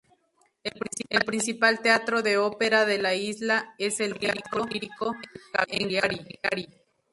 El principal teatro de ópera de la isla es el Teatro Lírico en Cagliari.